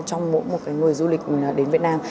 trong mỗi một người du lịch đến việt nam